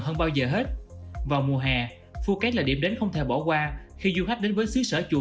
hơn bao giờ hết vào mùa hè phuket là điểm đến không thể bỏ qua khi du khách đến với xứ sở chùa